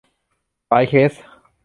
หลายเคส